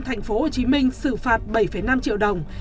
thành phố hồ chí minh xử phạt bảy năm triệu đồng